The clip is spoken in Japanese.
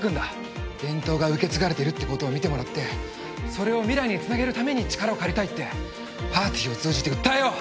伝統が受け継がれてるってことを見てもらってそれを未来につなげるために力を借りたいってパーティーを通じて訴えよう。